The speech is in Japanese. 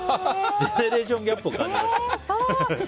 ジェネレーションギャップを感じました。